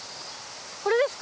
これですか？